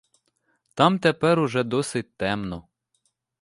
Там тепер уже досить темно.